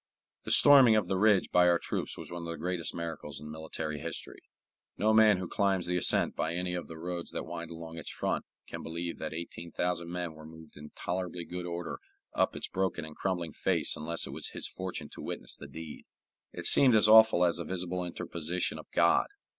The storming of the ridge by our troops was one of the greatest miracles in military history. No man who climbs the ascent by any of the roads that wind along its front can believe that eighteen thousand men were moved in tolerably good order up its broken and crumbling face unless it was his fortune to witness the deed. It seemed as awful as a visible interposition of God.